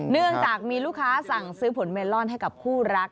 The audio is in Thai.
เนื่องจากมีลูกค้าสั่งซื้อผลเมลอนให้กับคู่รัก